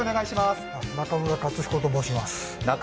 中村勝彦と申します。